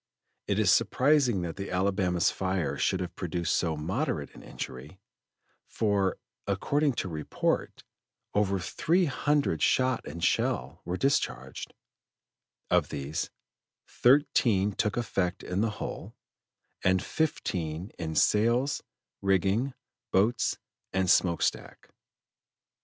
It is surprising that the Alabama's fire should have produced so moderate an injury, for, according to report, over three hundred shot and shell were discharged; of these, thirteen took effect in the hull, and fifteen in sails, rigging, boats, and smoke stack.